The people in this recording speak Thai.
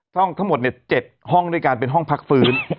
ห้องทั้งหมด๗ห้องด้วยกันเป็นห้องพักฟื้น